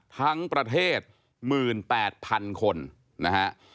ทั้งประเทศ๑๘๐๐๐คนนะฮะ